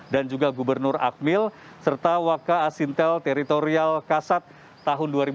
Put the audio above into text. dan juga gubernur akmil serta wakasintel territorial kasat tahun dua ribu tujuh belas dua ribu delapan belas